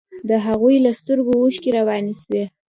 د هغوى له سترګو اوښكې روانې سوې.